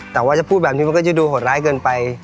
แต่ว่าจะพูดแบบนี้มันก็จะดูหดร้ายเกินไป